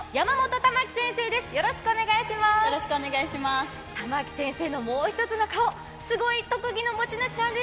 珠暉先生のもう一つの顔すごい特技の持ち主なんです。